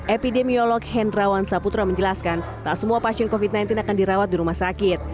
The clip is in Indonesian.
epidemiolog hendrawan saputra menjelaskan tak semua pasien covid sembilan belas akan dirawat di rumah sakit